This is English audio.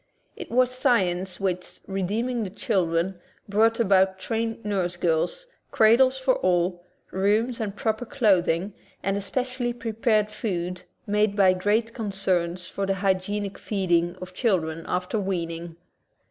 It was science which, redeeming the chil dren, brought about trained nurse girls, cradles for all, rooms and proper clothing, and especially prepared foods made by great con cerns for the hygienic feeding of children after weaning.